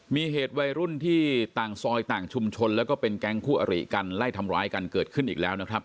มีเหตุวัยรุ่นที่ต่างซอยต่างชุมชนแล้วก็เป็นแก๊งคู่อริกันไล่ทำร้ายกันเกิดขึ้นอีกแล้วนะครับ